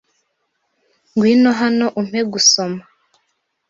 Ngwino hano umpe gusoma.